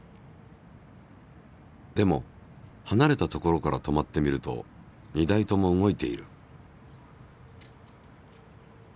でもはなれた所から止まって見ると２台とも動いている。